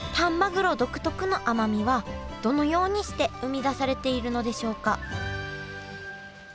黒独特の甘みはどのようにして生み出されているのでしょうか？